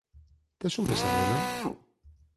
Tes un pesadelo?